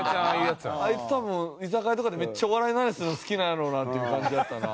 あいつ多分居酒屋とかでめっちゃお笑いの話するの好きなんやろなっていう感じやったな。